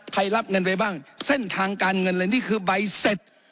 รับเงินไปบ้างเส้นทางการเงินเลยนี่คือใบเสร็จ